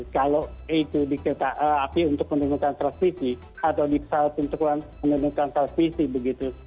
kalau itu di kereta api untuk menurunkan transmisi atau di pesawat untuk menurunkan transmisi begitu